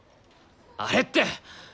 あれって！